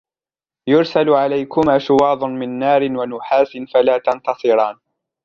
يرسل عليكما شواظ من نار ونحاس فلا تنتصران